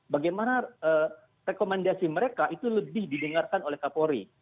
bagaimana rekomendasi mereka itu lebih didengarkan oleh kapolri